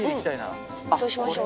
そうしましょう。